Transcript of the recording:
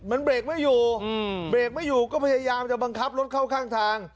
มันเบรกไม่อยู่เบรกไม่อยู่ก็พยายามจะบังคับรถเข้าข้างทาง